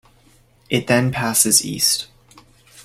It then passes east.